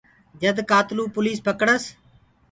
جد ڪآتلو ڪوُ پوليس پڪڙس۔